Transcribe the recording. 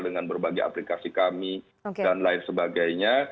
dengan berbagai aplikasi kami dan lain sebagainya